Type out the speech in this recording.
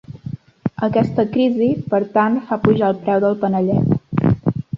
Aquesta crisi, per tant, fa pujar el preu del panellet.